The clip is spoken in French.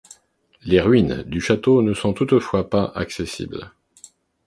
Les ruines du château ne sont toutefois pas accessibles.